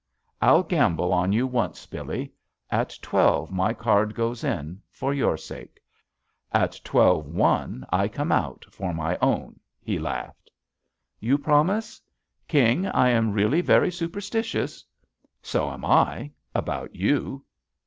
"I'll gamble on you once, Billee. At twelve my card goes in — for your sake. At twelve one I come out, for my own," he laughed. "You profnise? King, I am really very superstitious." "S^ am I — about you."